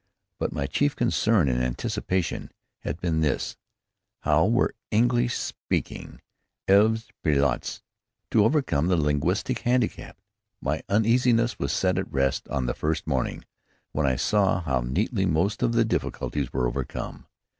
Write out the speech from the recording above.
But my chief concern, in anticipation, had been this: how were English speaking élèves pilotes to overcome the linguistic handicap? My uneasiness was set at rest on this first morning, when I saw how neatly most of the difficulties were overcome.